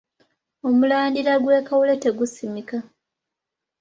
Omulandira gwa kawule tegusimika.